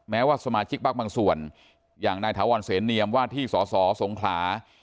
แม้ว่าสมาชิกพักบางส่วนอย่างนายถาวรเสนเนียมว่าที่สสงขลา